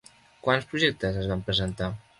Quants projectes es van presentar?